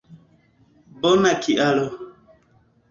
Bona kialo